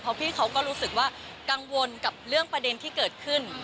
เพราะพี่เขาก็รู้สึกว่ากังวลกับเรื่องประเด็นที่เกิดขึ้น